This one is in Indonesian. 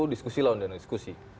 diskusi lawan dengan diskusi